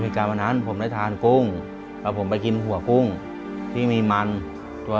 รายการต่อไปนี้เป็นรายการทั่วไปสามารถรับชมได้ทุกวัย